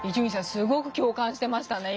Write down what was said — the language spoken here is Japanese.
すごく共感してましたね。